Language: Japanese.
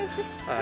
あ。